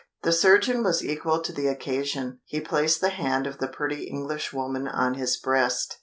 The surgeon was equal to the occasion; he placed the hand of the pretty Englishwoman on his breast.